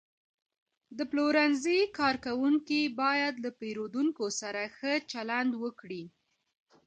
د پلورنځي کارکوونکي باید له پیرودونکو سره ښه چلند وکړي.